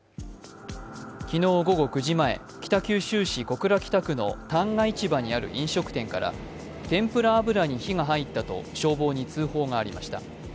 昨日午後９時前、北九州市小倉北区の旦過市場にある飲食店からてんぷら油に火が入ったと消防に通報がありました。